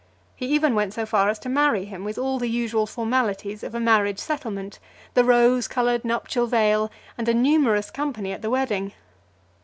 He even went so far as to marry him, with all the usual formalities of a marriage settlement, the rose coloured nuptial veil, and a numerous company at the wedding.